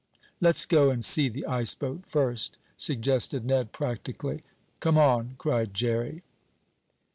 "Let's go and see the ice boat first," suggested Ned practically. "Come on," cried Jerry.